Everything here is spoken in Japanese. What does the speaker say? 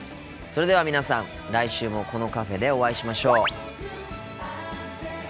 それでは皆さん来週もこのカフェでお会いしましょう。